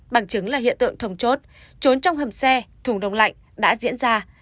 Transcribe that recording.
bằng chứng là hiện tượng thông chốt trốn trong hầm xe thùng đông lạnh đã diễn ra